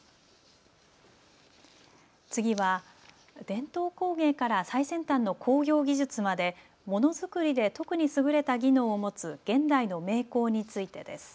次は、伝統工芸から最先端の工業技術まで、ものづくりで特に優れた技能を持つ現代の名工についてです。